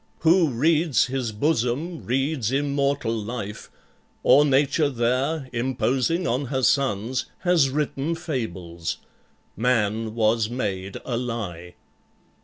Who reads his bosom reads immortal life, Or nature there, imposing on her sons, Has written fables; man was made a lie."